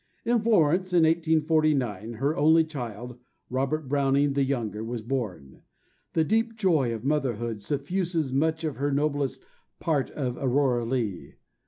In Florence, in 1849, her only child, Robert Browning the younger, was born. The deep joy of motherhood suffuses much of the noblest part of Aurora Leigh.